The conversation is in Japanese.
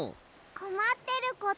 こまってること？